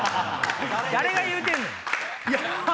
誰が言うてんねん！